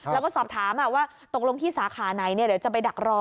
แล้วก็สอบถามว่าตกลงที่สาขาไหนเดี๋ยวจะไปดักรอ